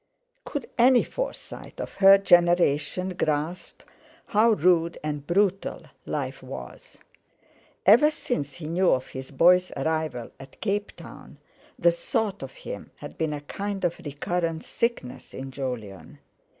Could any Forsyte of her generation grasp how rude and brutal life was? Ever since he knew of his boy's arrival at Cape Town the thought of him had been a kind of recurrent sickness in Jolyon.